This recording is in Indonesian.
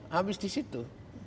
habis di situ